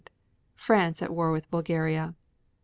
France at war with Bulgaria.